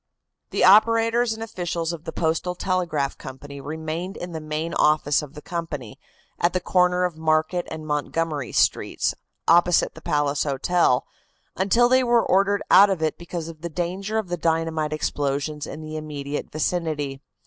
The operators and officials of the Postal Telegraph Company remained in the main office of the company, at the corner of Market and Montgomery Streets, opposite the Palace Hotel, until they were ordered out of it because of the danger of the dynamite explosions in the immediate vicinity.